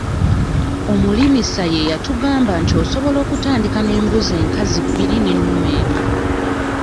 Omulimisa ye yatugamba nti osobola okutandika n'embuzi enkazi bbiri n'ennume emu.